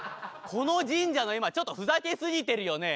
この神社の絵馬ちょっとふざけすぎてるよね。